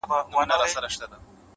گلابي شونډي يې د بې په نوم رپيږي،